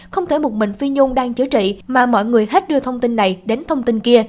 không thể một mình phi nhung đang chữa trị mà mọi người hết đưa thông tin này đến thông tin kia